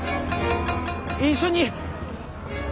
一緒に。